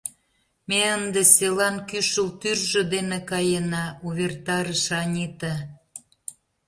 — Ме ынде селан кӱшыл тӱржӧ дене каена, — увертарыш Анита.